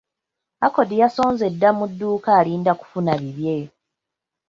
Accord yasonze dda mu dduuka alinda kufuna bibye.